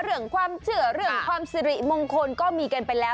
เรื่องความเชื่อเรื่องความสิริมงคลก็มีกันไปแล้ว